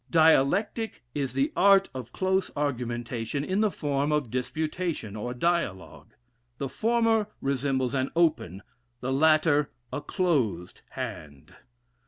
Dialectic is the art of close argumentation in the form of disputation or dialogue. The former resembles an open, the latter, a closed hand.